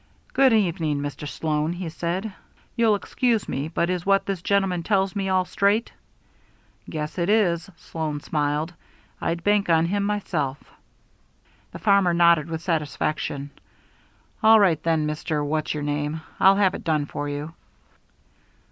"Good evening, Mr. Sloan," he said. "You'll excuse me, but is what this gentleman tells me all straight?" "Guess it is," Sloan smiled. "I'd bank on him myself." The farmer nodded with satisfaction. "All right then, Mr. What's your name. I'll have it done for you."